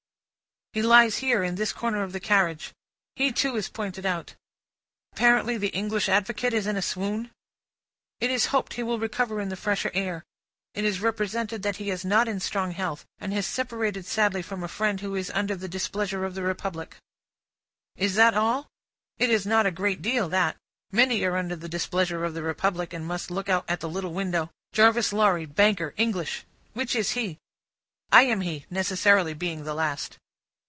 He lies here, in this corner of the carriage. He, too, is pointed out. "Apparently the English advocate is in a swoon?" It is hoped he will recover in the fresher air. It is represented that he is not in strong health, and has separated sadly from a friend who is under the displeasure of the Republic. "Is that all? It is not a great deal, that! Many are under the displeasure of the Republic, and must look out at the little window. Jarvis Lorry. Banker. English. Which is he?" "I am he. Necessarily, being the last."